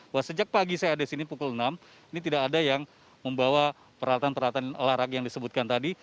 bahwa sejak pagi saya ada di sini pukul enam ini tidak ada yang membawa peralatan peralatan larak yang disebutkan tadi